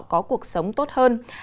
có cuộc sống tốt hơn